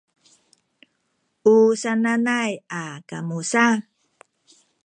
u sananay a kamu sa